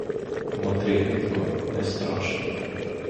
Мотрі гидко, не страшно.